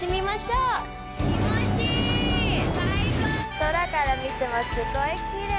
空から見てもすごいきれい。